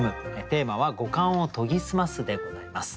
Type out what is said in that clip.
テーマは「五感を研ぎ澄ます」でございます。